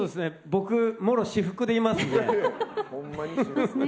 僕もろ私服でいますね。